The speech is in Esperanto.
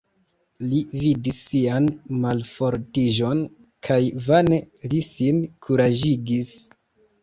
Li vidis sian malfortiĝon kaj vane li sin kuraĝigis.